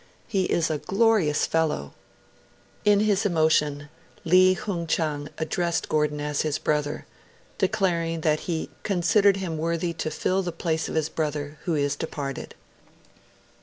He is a glorious fellow!' In his emotion, Li Hung Chang addressed Gordon as his brother, declaring that he 'considered him worthy to fill the place of the brother who is departed.